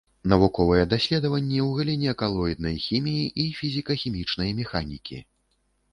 Навуковыя даследаванні ў галіне калоіднай хіміі і фізіка-хімічнай механікі.